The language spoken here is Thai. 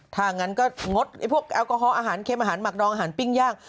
ถ้างั้นก็งดพวกแอลกอฮอลอาหารเค็มอาหารหมักดองอาหารปิ้งย่าง